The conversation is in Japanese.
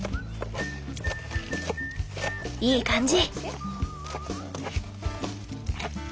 いい感じ。